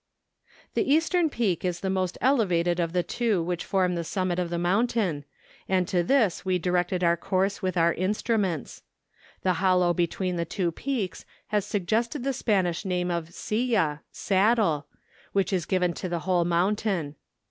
... The eastern peak is the most elevated of the two which form the summit of the mountain, and to this we directed our course with our instruments. The hollow between the two peaks has suggested the Spanish name of Silla (saddle), which is given to the whole mountain.